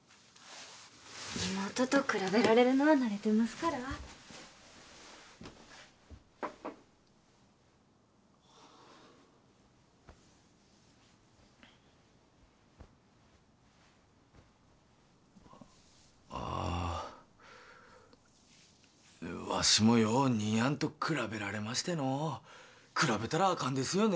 妹と比べられるのは慣れてますからああわしもよう兄やんと比べられましてのう比べたらアカンですよね